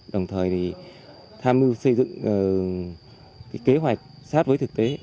đồng thời thì tham mưu xây dựng kế hoạch sát với thực tế